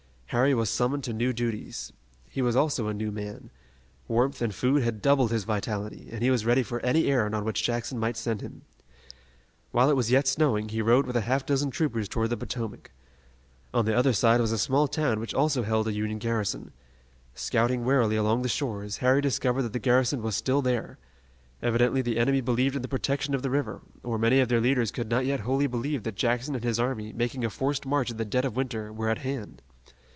Harry was summoned to new duties. He was also a new man. Warmth and food had doubled his vitality, and he was ready for any errand on which Jackson might send him. While it was yet snowing, he rode with a half dozen troopers toward the Potomac. On the other side was a small town which also held a Union garrison. Scouting warily along the shores, Harry discovered that the garrison was still there. Evidently the enemy believed in the protection of the river, or many of their leaders could not yet wholly believe that Jackson and his army, making a forced march in the dead of winter, were at hand.